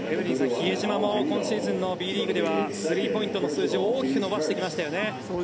比江島も今シーズンのＢリーグではスリーポイントの数字を大きく伸ばしてきましたよね。